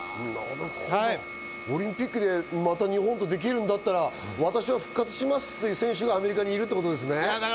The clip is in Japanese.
オリンピックでまた日本でできるんだったら私は復活しますという選手がアメリカにいるってことですね。